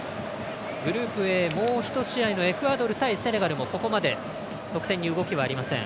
グループＡ、もう１試合のエクアドル対セネガルもここまで得点に動きがありません。